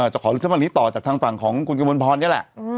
จะขอวันนี้ต่อจากทางฝั่งของคุณกระมวลพรนี่แหละ